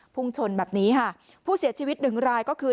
พุ่งชนแบบนี้ค่ะผู้เสียชีวิตหนึ่งรายก็คือ